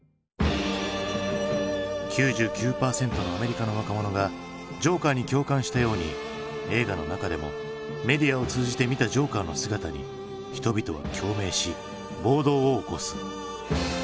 ９９％のアメリカの若者がジョーカーに共感したように映画の中でもメディアを通じて見たジョーカーの姿に人々は共鳴し暴動を起こす。